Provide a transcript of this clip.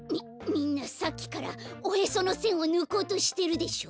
みんなさっきからおへそのせんをぬこうとしてるでしょ！？